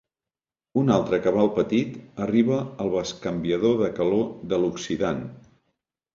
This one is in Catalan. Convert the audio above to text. Un altre cabal petit arriba al bescanviador de calor de l'oxidant.